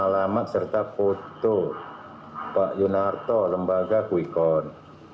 lalu pak kiflan mengeluarkan alamat serta foto pak yunarto lembaga kuikon